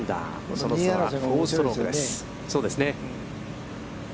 その差は４ストロークです。